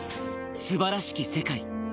すばらしき世界。